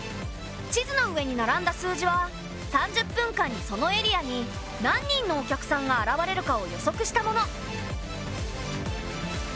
地図の上に並んだ数字は３０分間にそのエリアに何人のお客さんが現れるかを予測したもの。